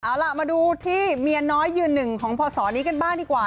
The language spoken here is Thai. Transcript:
เอาล่ะมาดูที่เมียน้อยยืนหนึ่งของพศนี้กันบ้างดีกว่า